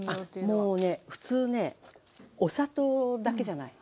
もうね普通ねお砂糖だけじゃない。